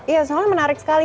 iya soalnya menarik sekali